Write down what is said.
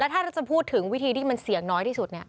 ถ้าเราจะพูดถึงวิธีที่มันเสี่ยงน้อยที่สุด